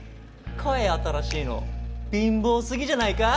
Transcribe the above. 買え新しいの。貧乏すぎじゃないか。